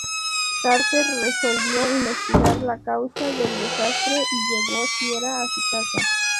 Carter resolvió investigar la causa del desastre y llevó Shiera su casa.